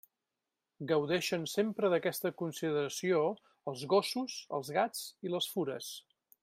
Gaudeixen sempre d'aquesta consideració els gossos, els gats i les fures.